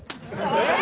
えっ！？